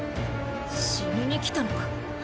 死にに来たのか？